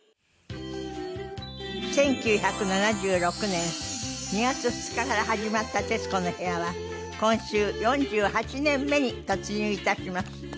１９７６年２月２日から始まった『徹子の部屋』は今週４８年目に突入いたします。